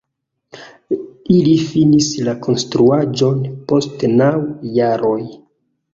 Ili finis la konstruaĵon post naŭ jaroj.